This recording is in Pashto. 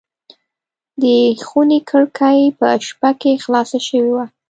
د خونې کړکۍ په شپه کې خلاصه شوې وه.